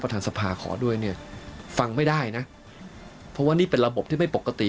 ทางสภาขอด้วยเนี่ยฟังไม่ได้นะเพราะว่านี่เป็นระบบที่ไม่ปกติ